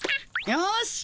よし！